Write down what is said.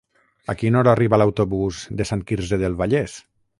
A quina hora arriba l'autobús de Sant Quirze del Vallès?